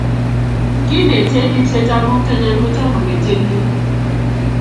kinetech ribsetab mokto nyo kutomo ketyenie